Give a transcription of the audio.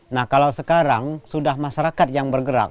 nah kalau sekarang sudah masyarakat yang bergerak